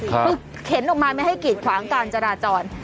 คือเข็นออกมาไม่ให้กีดขวางการจราจร